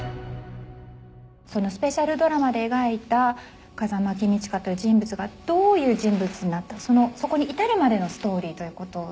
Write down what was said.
スペシャルドラマで描いた風間公親という人物がどういう人物になったそこに至るまでのストーリーということですよね。